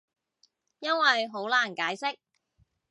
因為好難解釋